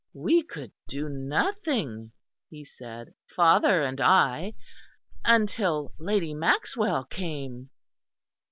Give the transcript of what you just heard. "We could do nothing," he said, "father and I until Lady Maxwell came."